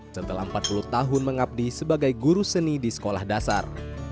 setelah empat puluh tahun mengabdi sebagai guru seni di sekolah dasar